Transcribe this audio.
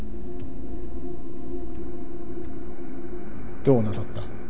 どうなさった。